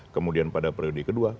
kemudian pada periode kedua